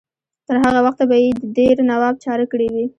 تر هغه وخته به یې د دیر نواب چاره کړې وي.